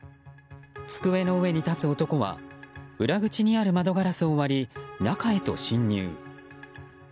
机の上に立つ男は裏口にある窓ガラスを割り中へと侵入。